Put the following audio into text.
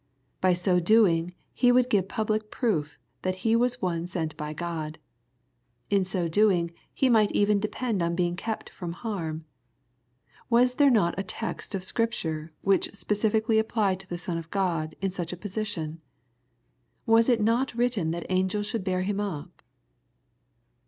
By so doing he would give public proof that He was one sent by God. In so doing He might even depend on being kept from harm. Was there not a text of Scripture, which specially applied to the Son of God, in such a position ?" Was it not written that *^ angels should bear Him up